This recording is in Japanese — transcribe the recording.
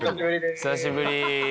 久しぶり。